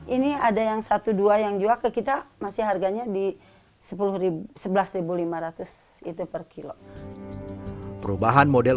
ini ada yang satu dua yang jual ke kita masih harganya di sepuluh sebelas lima ratus itu per kilo perubahan model